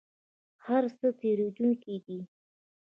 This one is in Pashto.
هر څه تیریدونکي دي؟